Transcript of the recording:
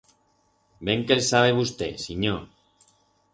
Ben que el sabe vusté, sinyor.